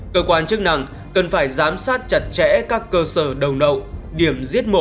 cơ quan chức năng cần phải giám sát chặt chẽ các cơ sở đầu nậu điểm giết mổ